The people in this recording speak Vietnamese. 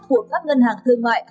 của các ngân hàng thương mại